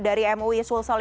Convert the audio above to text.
dari mui sulseling